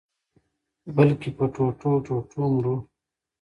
بلکي په ټوټو-ټوټو مرو